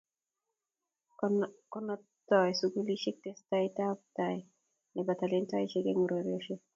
Konobtoi sukulisiek tesetab tai nebo talentaisiek eng ureriosiek